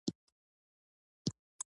هغوی د پاک شمیم سره په باغ کې چکر وواهه.